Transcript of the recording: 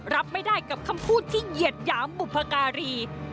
รับไม่ได้กับคำพูดที่เหยียดหยามบุพการี